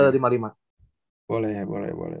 boleh ya boleh boleh